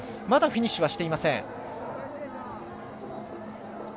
まだフィニッシュはしていません。